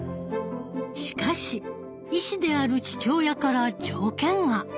しかし医師である父親から条件が。